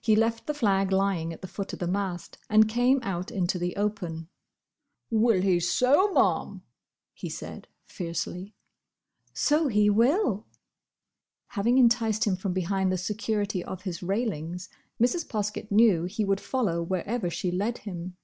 He left the flag lying at the foot of the mast, and came out into the open. "Will he so, Ma'am!" he said, fiercely. "So he will!" Having enticed him from behind the security of his railings, Mrs. Poskett knew he would follow wherever she led him.